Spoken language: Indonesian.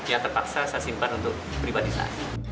yang terpaksa saya simpan untuk pribadi saya